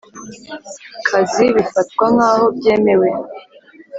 Kazi Bifatwa Nk Aho Byemewe